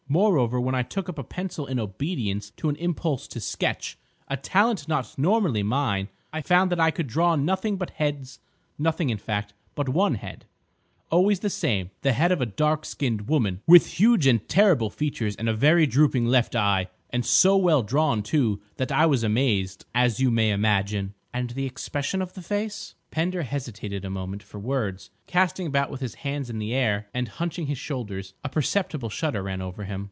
"Moreover, when I took up a pencil in obedience to an impulse to sketch—a talent not normally mine—I found that I could draw nothing but heads, nothing, in fact, but one head—always the same—the head of a dark skinned woman, with huge and terrible features and a very drooping left eye; and so well drawn, too, that I was amazed, as you may imagine—" "And the expression of the face—?" Pender hesitated a moment for words, casting about with his hands in the air and hunching his shoulders. A perceptible shudder ran over him.